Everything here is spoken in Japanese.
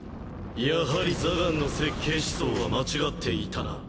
やはりザガンの設計思想は間違っていたな。